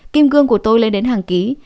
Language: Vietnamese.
kim cương của tôi lên đến hàng ký